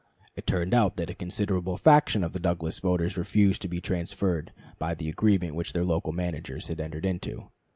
It turned out that a considerable fraction of the Douglas voters refused to be transferred by the agreement which their local managers had entered into.